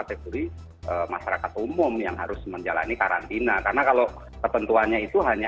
kategori masyarakat umum yang harus menjalani karantina karena kalau ketentuannya itu hanya